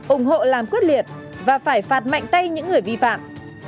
ủng hộ làm quyết liệt và phải phạt mạnh tay những người vi phạm